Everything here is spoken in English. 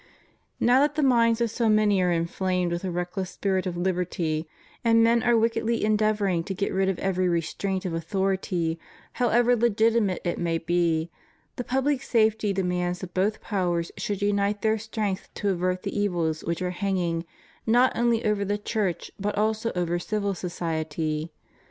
Now that the minds of so many are inflamed with a reckless spirit of hberty, and men are wickedly endeavoring to get rid of every restraint of authority, however legitimate it may be, the public safety demands that both powers should unite their strength to avert the evils which are hanging, not only over the Church, but also over civil society.